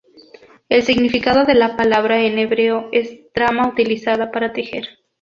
El significado de la palabra en hebreo es trama utilizada para tejer.